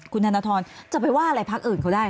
คุณธนทรจะไปว่าอะไรพักอื่นเขาได้